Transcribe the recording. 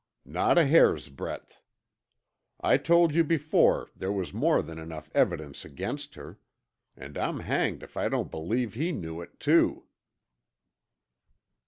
"Not a hair's breadth. I told you before there was more than enough evidence against her. And I'm hanged if I don't believe he knew it, too!"